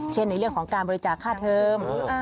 ในเรื่องของการบริจาคค่าเทิม